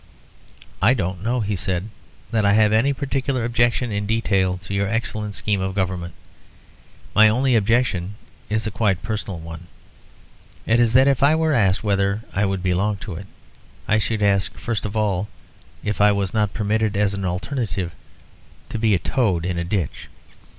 "I don't know," he said, "that I have any particular objection in detail to your excellent scheme of Government. My only objection is a quite personal one. It is, that if I were asked whether I would belong to it, I should ask first of all, if I was not permitted, as an alternative, to be a toad in a ditch.